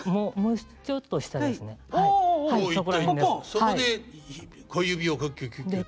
そこで小指をキュッキュッキュッて。